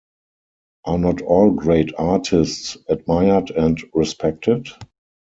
Are not all great artists admired and respected?